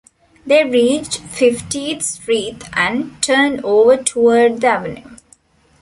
They reached Fiftieth Street and turned over toward the Avenue.